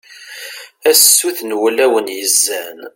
a sut n wulawen yezzan